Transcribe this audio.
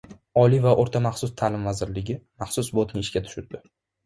Oliy va o‘rta maxsus ta’lim vazirligi maxsus botni ishga tushirdi